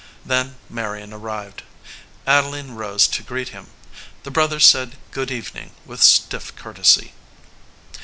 Then Marion arrived. Adeline rose to greet him. The brothers said good evening with stiff courtesy.